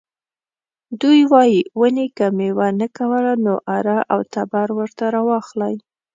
دوی وايي ونې که میوه نه کوله نو اره او تبر ورته راواخلئ.